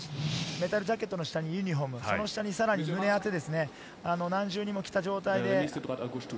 メタルジャケットの下にユニホーム、その下にさらに胸当て、何重にも着た状態で。